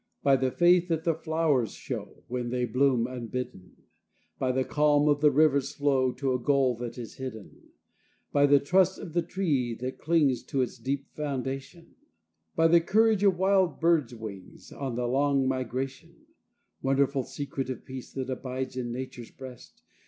By the faith that the flowers show when they bloom unbidden, By the calm of the river's flow to a goal that is hidden, By the trust of the tree that clings to its deep foundation, By the courage of wild birds' wings on the long migration, (Wonderful secret of peace that abides in Nature's breast!)